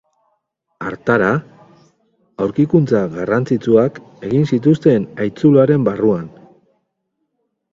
Hartara, aurkikuntza garrantzitsuak egin zituzten haitzuloaren barruan.